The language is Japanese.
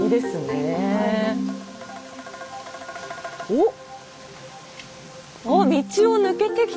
おっ！